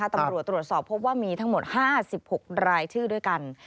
ตำรวจตรวจสอบพบว่ามีทั้งหมด๕๖รายชื่อด้วยกัน